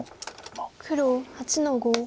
黒８の五。